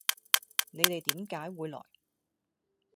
你哋點解會來